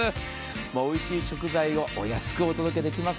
もうおいしい食材をお安くお届けできます。